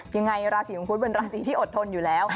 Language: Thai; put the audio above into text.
ยังไงราศีมังคุดเป็นราศีที่อดทนอยู่แล้ว